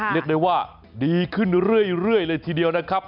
เรียกได้ว่าดีขึ้นเรื่อยเลยทีเดียวนะครับ